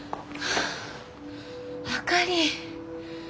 あかり。